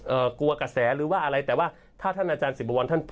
กลัวกระแสหรือว่าอะไรแต่ว่าถ้าท่านอาจารย์สิบวรท่าน